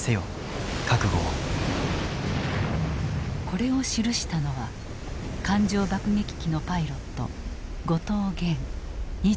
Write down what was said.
これを記したのは艦上爆撃機のパイロット後藤元２１歳。